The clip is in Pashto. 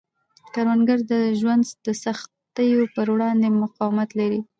کروندګر د ژوند د سختیو پر وړاندې مقاومت لري